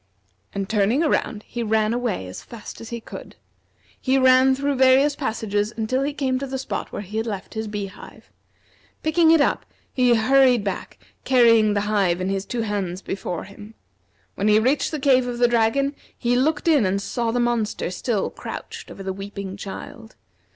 And turning around, he ran away as fast as he could. He ran through various passages until he came to the spot where he had left his bee hive. Picking it up, he hurried back, carrying the hive in his two hands before him. When he reached the cave of the dragon, he looked in and saw the monster still crouched over the weeping child.